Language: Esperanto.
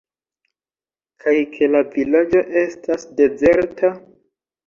Kaj ke la vilaĝo estas dezerta?